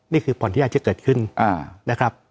นี่คือผ่อนที่อาจจะเกิดขึ้นนะครับ